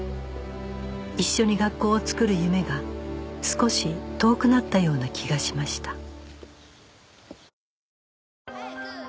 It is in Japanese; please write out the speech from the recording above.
一緒に学校を作る夢が少し遠くなったような気がしました